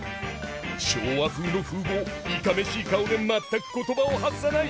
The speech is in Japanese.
昭和風の風貌いかめしい顔で全く言葉を発さない。